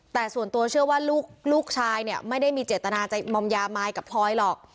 แต่ส่วนตัวเชื่อว่าลูกชายเนี่ยไม่ได้มีเจตนาจะมอมยามายกับพลอยหรอก